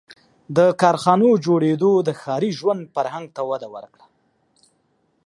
• د کارخانو جوړېدو د ښاري ژوند فرهنګ ته وده ورکړه.